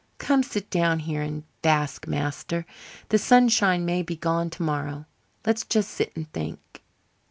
Come, sit down here and bask, master. The sunshine may be gone to morrow. Let's just sit and think."